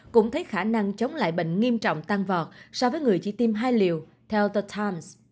cũng thấy khả năng chống lại bệnh nghiêm trọng tăng vọt so với người chỉ tiêm hai liều theo tờ times